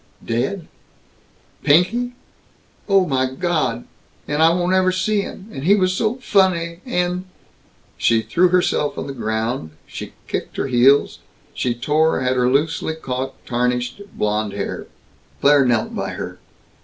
"Dead? Pinky? Oh my God! And I won't ever see him, and he was so funny and " She threw herself on the ground; she kicked her heels; she tore at her loosely caught, tarnished blonde hair. Claire knelt by her.